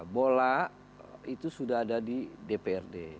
bola itu sudah ada di dprd